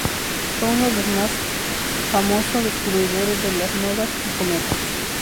Fue uno de los más famoso descubridores de las novas y cometas.